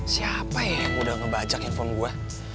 siapa ya yang udah ngebajak handphone gue